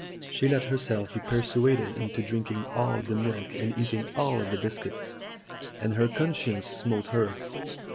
She let herself be persuaded into drinking all the milk and eating all the biscuits, and her conscience smote her.